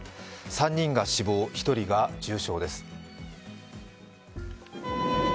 ３人が死亡、１人が重傷です。